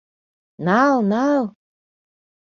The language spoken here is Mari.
— Нал-нал!